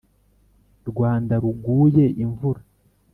rwanda ruguye imvura,